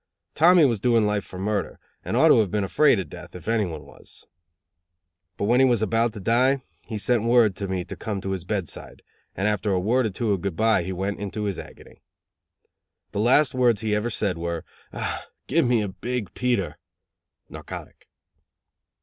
Tommy was doing life for murder, and ought to have been afraid of death, if anyone was. But when he was about to die, he sent word to me to come to his bedside, and after a word or two of good bye he went into his agony. The last words he ever said were: "Ah, give me a big Peter (narcotic)."